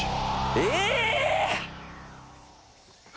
え！？